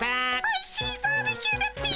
おいしいバーベキューだっピ。